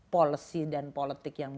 policy dan politik yang